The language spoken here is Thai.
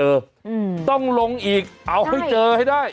อืมต้องลงอีกเอาให้เจอให้ได้